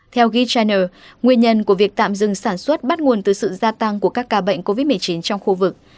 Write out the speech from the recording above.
theo ghi china nguyên nhân của việc tạm dừng sản xuất bắt nguồn từ sự gia tăng của các ca bệnh covid một mươi chín trong khu vực